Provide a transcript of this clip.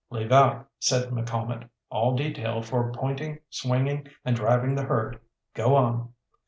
"Leave out," said McCalmont, "all detail for pointing, swinging, and driving the herd. Go on."